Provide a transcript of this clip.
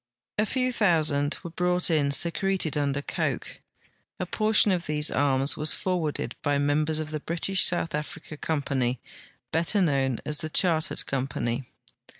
A few tliousand were brought in secreted under coke. A portion of tliese arms was forwarded by memlier.s of the British South Africa Com])any, l)etter known as the Char tered Company.